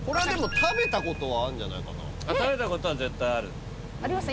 食べたことは絶対ある有吉さん